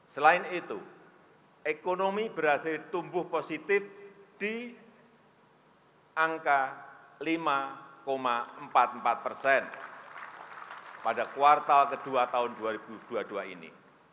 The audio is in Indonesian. selain itu ekonomi berhasil tumbuh positif di angka lima empat puluh empat persen pada kuartal kedua tahun dua ribu dua puluh dua ini